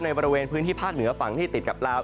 บริเวณพื้นที่ภาคเหนือฝั่งที่ติดกับลาว